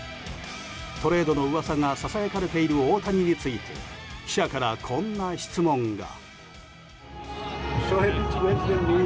トレードの噂がささやかれている大谷について記者から、こんな質問が。